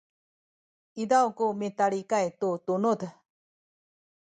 izaw ku mitalikay tu tunuz